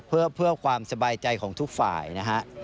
เพื่อความสบายใจของทุกฝ่ายนะฮะ